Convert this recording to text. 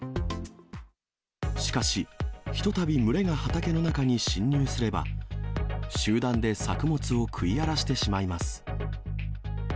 しかし、ひとたび群れが畑の中に侵入すれば、集団で作物を食い荒らしてしまいます。